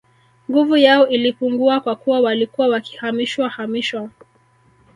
Nguvu yao ilipungua kwa kuwa walikuwa wakihamishwa hamishwa